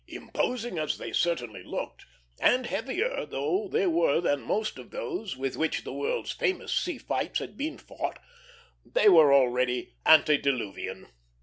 Imposing as they certainly looked, and heavier though they were than most of those with which the world's famous sea fights have been fought, they were already antediluvian.